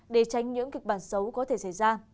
để tránh những kịch bản xấu có thể xảy ra